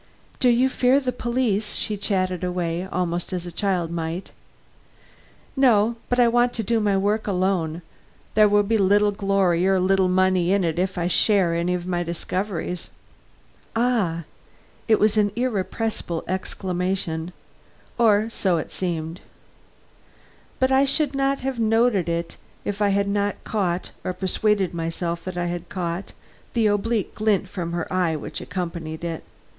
"Do you fear the police?" she chatted away, almost as a child might. "No; but I want to do my work alone. There will be little glory or little money in it if they share any of my discoveries." "Ah!" It was an irrepressible exclamation, or so it seemed: but I should not have noted it if I had not caught, or persuaded myself that I had caught, the oblique glint from her eye which accompanied it.